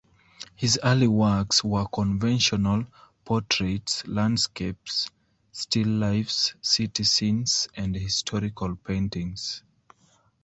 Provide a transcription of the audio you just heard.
His early works were conventional portraits, landscapes, still lifes, city scenes and historical paintings.